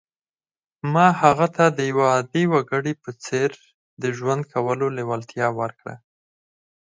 ما هغه ته د یوه عادي وګړي په څېر د ژوند کولو لېوالتیا ورکړه